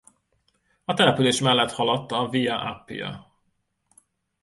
A település mellett haladt a Via Appia.